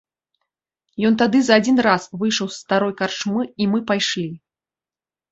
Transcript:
Ён тады за адзін раз выйшаў з старой карчмы, і мы пайшлі.